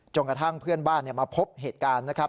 กระทั่งเพื่อนบ้านมาพบเหตุการณ์นะครับ